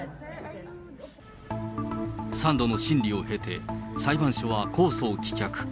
３度の審理を経て、裁判所は公訴を棄却。